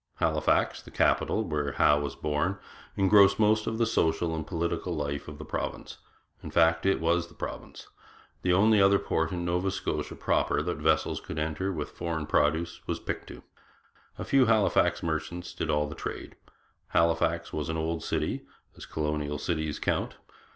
Halifax, the capital, where Howe was born, engrossed most of the social and political life of the province; in fact, it was the province. The only other port in Nova Scotia proper that vessels could enter with foreign produce was Pictou. A few Halifax merchants did all the trade. Halifax was an old city, as colonial cities count.